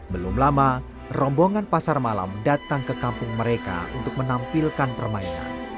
belum lama rombongan pasar malam datang ke kampung mereka untuk menampilkan permainan